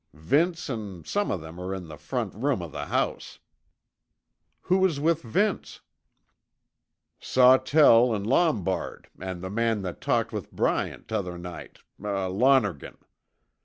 Vince an' some o' them are in the front room o' the house." "Who is with Vince?" "Sawtell an' Lombard an' the man that talked with Bryant t'other night Lonergan.